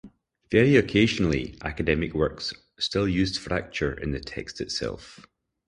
Very occasionally, academic works still used Fraktur in the text itself.